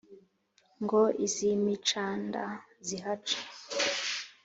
Ngo iz'imicanda zihace,